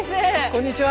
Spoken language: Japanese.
こんにちは。